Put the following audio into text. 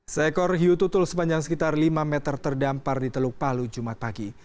seekor hiu tutul sepanjang sekitar lima meter terdampar di teluk palu jumat pagi